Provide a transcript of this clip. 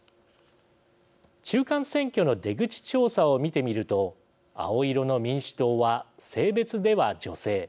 中間選挙の出口調査を見てみると青色の民主党は、性別では女性。